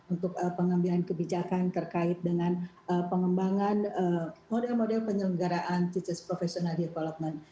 untuk pengambilan kebijakan terkait dengan pengembangan model model penyelenggaraan cicis professional development